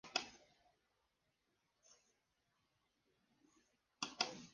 A la edad de trece años, Dorsey se había interesado en envió de enrutamiento.